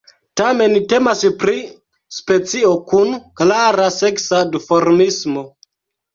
Tamen temas pri specio kun klara seksa duformismo.